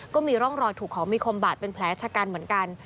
ก็มีร่องรอยถูกของมีคมบาดเป็นแผลชะกันเหมือนกัน